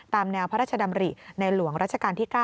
ตามแนวพระราชดำริในหลวงรัชกาลที่๙